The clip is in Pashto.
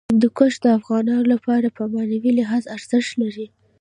هندوکش د افغانانو لپاره په معنوي لحاظ ارزښت لري.